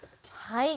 はい。